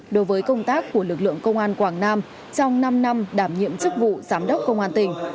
đối với công tác của lực lượng công an quảng nam trong năm năm đảm nhiệm chức vụ giám đốc công an tỉnh